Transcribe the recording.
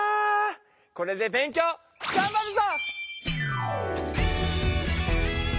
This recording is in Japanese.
これで勉強がんばるぞ！